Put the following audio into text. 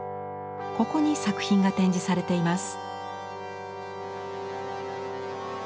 ここに作品が展示されています。